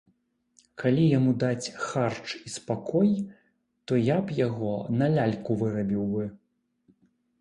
Калі яму даць харч і спакой, то я б яго на ляльку вырабіў бы.